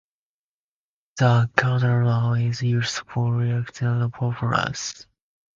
The canal now is used for recreational purposes.